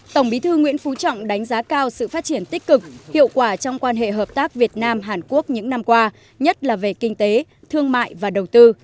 tổng bí thư nguyễn phú trọng đánh giá cao sự phát triển tích cực hiệu quả trong quan hệ hợp tác việt nam hàn quốc những năm qua nhất là về kinh tế thương mại và đầu tư